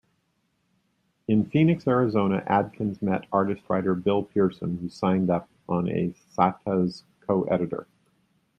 In Phoenix, Arizona, Adkins met artist-writer Bill Pearson who signed on as "Sata"'s co-editor.